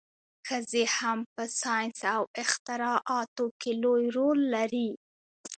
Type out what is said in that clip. ښځې هم په ساینس او اختراعاتو کې لوی رول لري.